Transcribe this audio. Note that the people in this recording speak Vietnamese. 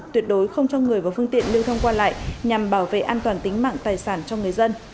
tuyệt đối không cho người và phương tiện lưu thông qua lại nhằm bảo vệ an toàn tính mạng tài sản cho người dân